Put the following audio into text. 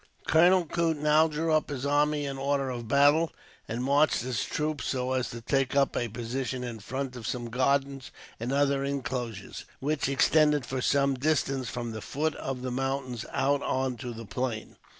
Colonel Coote now drew up his army in order of battle, and marched his troops so as to take up a position in front of some gardens, and other inclosures, which extended for some distance from the foot of the mountains out on to the plain.